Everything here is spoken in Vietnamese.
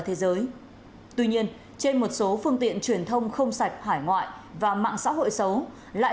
thế giới tuy nhiên trên một số phương tiện truyền thông không sạch hải ngoại và mạng xã hội xấu lại